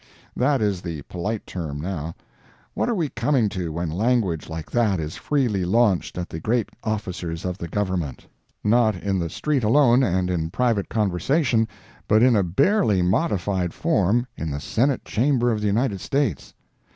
That is the polite term now. What are we coming to when language like that is freely launched at the great officers of the Government? Not in the street alone, and in private conversation, but, in a barely modified form, in the Senate Chamber of the United States.